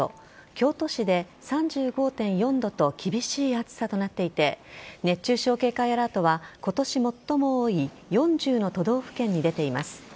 京都市で３５．４度と厳しい暑さとなっていて熱中症警戒アラートは今年、最も多い４０の都道府県に出ています。